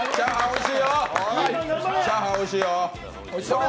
チャーハンおいしいよ。